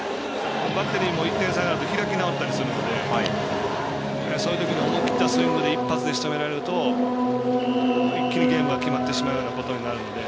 バッテリーも１点差になると開き直ったりするのでそういうときの思い切ったスイングで一発でしとめられると一気にゲームが決まってしまうようなことになるので。